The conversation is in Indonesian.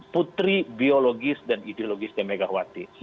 putri biologis dan ideologis demegawati